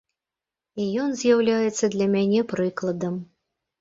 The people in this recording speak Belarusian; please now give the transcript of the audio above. І ён з'яўляецца для мяне прыкладам.